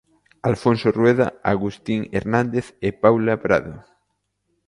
Alfonso Rueda, Agustín Hernández e Paula Prado.